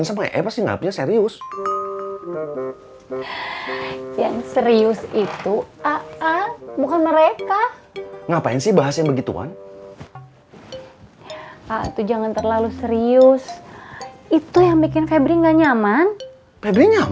sampai jumpa di video selanjutnya